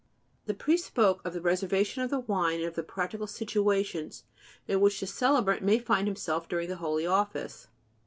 The priest spoke of the reservation of the wine and of the practical situations in which the celebrant may find himself during the holy office.